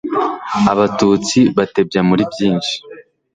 abatutsi batebya muri byinshi